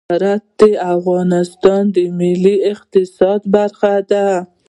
زراعت د افغانستان د ملي اقتصاد برخه ده.